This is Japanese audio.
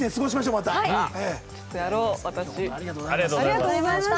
本当ありがとうございました。